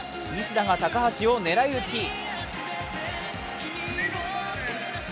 西田が高橋を狙い撃ち。